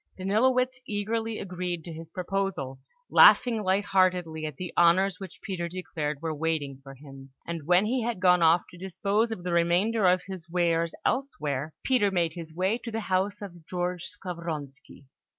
Danilowitz eagerly agreed to his proposal, laughing light heartedly at the honours which Peter declared were waiting for him; and when he had gone off to dispose of the remainder of his wares elsewhere, Peter made his way to the house of George Skavronski.